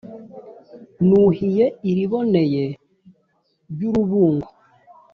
Nuhiye iliboneye ry’urubungo,